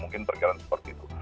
mungkin berjalan seperti itu